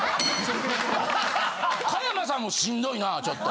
加山さんもしんどいなぁちょっと。